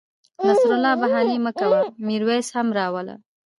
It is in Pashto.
نصرت الله بهاني مه کوه میرویس هم را وله